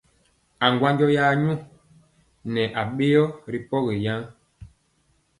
Aŋgwanjɔ ya nyɔ nɛ aɓeyɔ ri pɔgi yen.